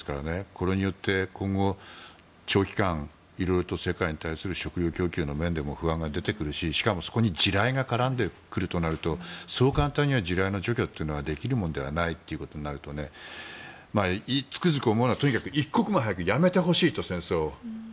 これによって今後、長期間いろいろと世界に対する食料供給の面でも不安が出てくるし、しかもそこに地雷が絡んでくるとなるとそう簡単には地雷の除去ができるものではないとなるとつくづく思うのは一刻も早くやめてほしいと戦争を。